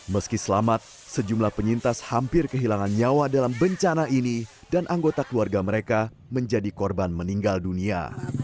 meski selamat sejumlah penyintas hampir kehilangan nyawa dalam bencana ini dan anggota keluarga mereka menjadi korban meninggal dunia